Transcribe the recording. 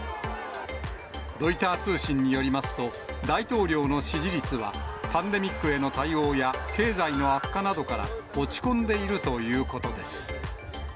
ロイター通信によりますと、大統領の支持率は、パンデミックへの対応や、経済の悪化などから、落ち込んでいるということです。